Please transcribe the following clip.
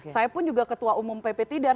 saya pun juga ketua umum pp tidar